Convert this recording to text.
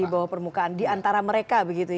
di bawah permukaan di antara mereka begitu ya